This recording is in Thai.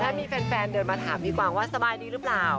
แล้วมีแฟนเดินมาถามพี่กวางว่าสบายดีหรือเปล่า